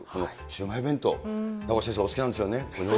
シウマイ弁当、名越先生、お好きなんですよね。